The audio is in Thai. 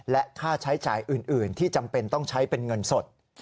และค่าใช้จ่ายอื่นที่จำเป็นต้องใช้เป็นเงินสด